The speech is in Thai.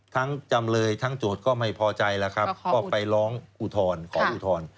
ทั้งจำเลยทั้งโจทย์ก็ไม่พอใจแล้วครับก็ไปร้องอุทร